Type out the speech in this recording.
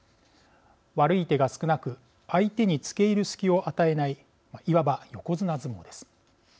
悪い手が少なく相手につけ入る隙を与えないいわば横綱相撲です。